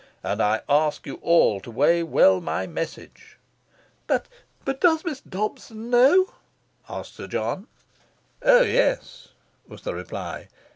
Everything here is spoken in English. "And I ask you all to weigh well my message." "But but does Miss Dobson know?" asked Sir John. "Oh yes," was the reply.